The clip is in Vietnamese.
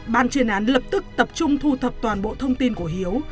ban chuyên án lập tức tập trung thu thập toàn bộ thông tin của hiếu